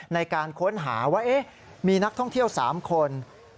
ในการค้นหาว่ามีนักท่องเที่ยว๓คน